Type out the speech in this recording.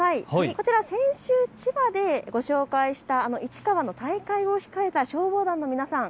こちら先週、千葉でご紹介した市川の大会を控えた消防団の皆さん。